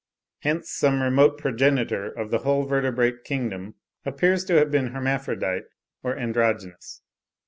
Hence some remote progenitor of the whole vertebrate kingdom appears to have been hermaphrodite or androgynous.